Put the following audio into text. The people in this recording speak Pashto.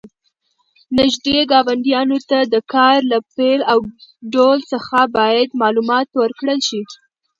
نږدې ګاونډیانو ته د کار له پیل او ډول څخه باید معلومات ورکړل شي.